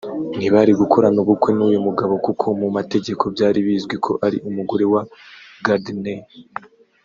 ntibari gukorana ubukwe n’uyu mugabo kuko mu mategeko byari bizwi ko ari umugore wa Gardner